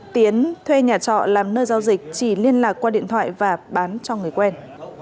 tiến thuê nhà trọ làm nơi giao dịch chỉ liên lạc qua điện thoại và bán cho người quen